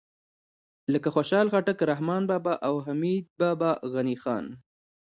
لکه خوشحال خټک، رحمان بابا او حمید بابا، غني خان